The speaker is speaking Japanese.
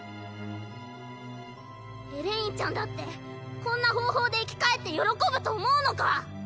エレインちゃんだってこんな方法で生き返って喜ぶと思うのか？